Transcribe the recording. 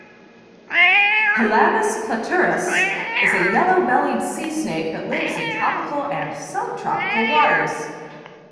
"Pelamis platurus" is a yellow-bellied sea snake that lives in tropical and subtropical waters.